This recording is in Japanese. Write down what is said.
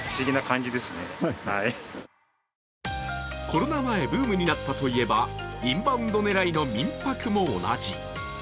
コロナ前ブームになったといえばインバウンド狙いの民泊も同じ。